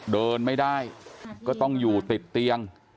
เดินไม่ได้ก็ต้องอยู่ติดเตียง